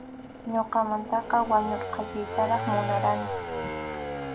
Ñuqamantaqa wañurqachiytaraq munarqani.